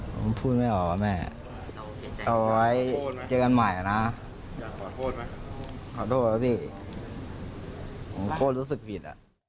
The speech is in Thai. ผมพูดไม่ออกว่าแม่เอาไว้เจอกันใหม่นะขอโทษแล้วพี่ผมโคตรรู้สึกผิด